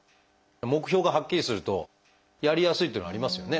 目標がはっきりするとやりやすいというのはありますよね。